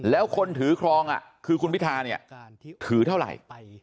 แล้วคนถือครองคือคุณวิทาถือเท่าไหร่